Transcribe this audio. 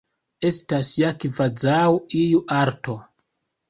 Estas ja kvazaŭ iu arto.